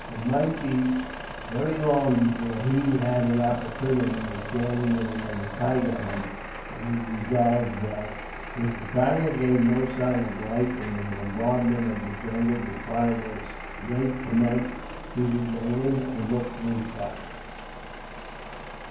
It might be very long before he had an opportunity of joining in another tiger hunt; and he resolved that, if the tiger gave no signs of life when the bombardment of the jungle with fireworks recommenced, he would go in and look for his body.